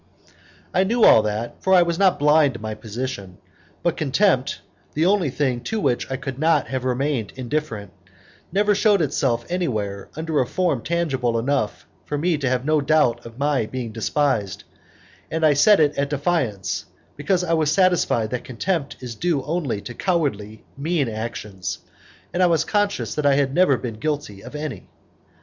I knew all that, for I was not blind to my position; but contempt, the only thing to which I could not have remained indifferent, never shewed itself anywhere under a form tangible enough for me to have no doubt of my being despised, and I set it at defiance, because I was satisfied that contempt is due only to cowardly, mean actions, and I was conscious that I had never been guilty of any.